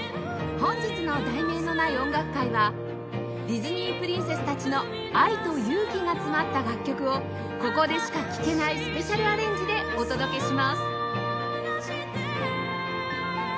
本日の『題名のない音楽会』はディズニープリンセスたちの愛と勇気が詰まった楽曲をここでしか聴けないスペシャルアレンジでお届けします